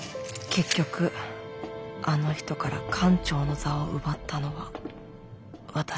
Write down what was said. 結局あの人から艦長の座を奪ったのは私。